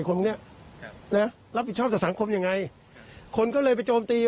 คนนี้นะรับผิดชอบต่อสังคมยังไงคนก็เลยไปโจมตี